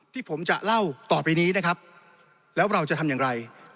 ที่ผมจะเล่าต่อไปนี้นะครับแล้วเราจะทำอย่างไร